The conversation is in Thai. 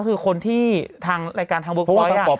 ก็คือคนที่ทางรายการทางเวิร์คพอยต์